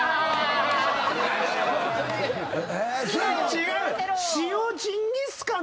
違う！